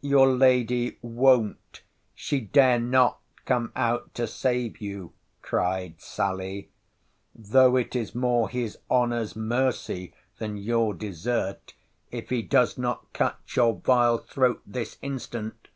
Your lady won't, she dare not come out to save you, cried Sally; though it is more his honour's mercy, than your desert, if he does not cut your vile throat this instant.